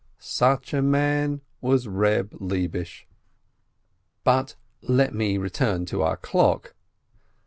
Such a man was Reb Lebish. But let me return to our clock.